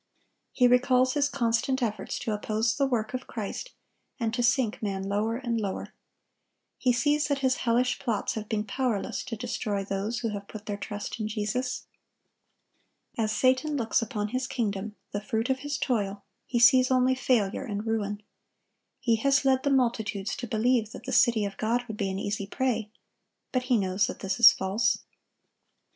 He recalls his constant efforts to oppose the work of Christ and to sink man lower and lower. He sees that his hellish plots have been powerless to destroy those who have put their trust in Jesus. As Satan looks upon his kingdom, the fruit of his toil, he sees only failure and ruin. He has led the multitudes to believe that the city of God would be an easy prey; but he knows that this is false.